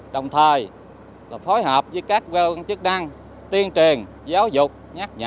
đồng thời phối hợp với các chức năng tiên truyền giáo dục nhắc nhở